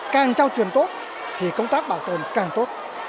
càng trao truyền tốt thì công tác bảo tồn càng tốt